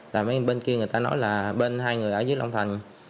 tại mấy bên kia người ta nói là bên hai người ở dưới long thành